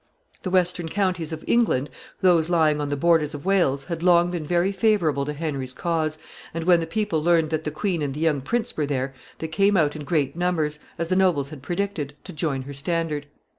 The western counties of England, those lying on the borders of Wales, had long been very favorable to Henry's cause, and when the people learned that the queen and the young prince were there, they came out in great numbers, as the nobles had predicted, to join her standard.